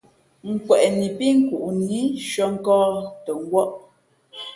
Kweꞌni pí nkuʼnǐ shʉᾱ nkᾱᾱ tα ngwᾱʼ.